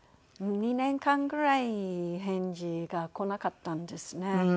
２年間ぐらい返事が来なかったんですね。